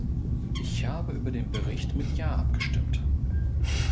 Ich habe über den Bericht mit ja abgestimmt.